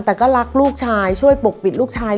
แต่ก็รักลูกชายช่วยปกปิดลูกชาย